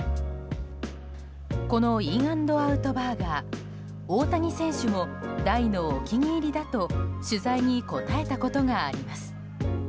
このインアンドアウト・バーガー大谷選手も大のお気に入りだと取材に答えたことがあります。